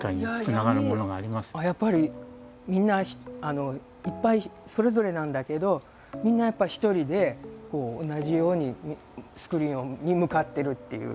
みんないっぱいそれぞれなんだけどみんなやっぱり一人で同じようにスクリーンに向かってるっていう。